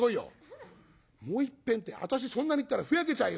「もういっぺんって私そんなに行ったらふやけちゃうよ」。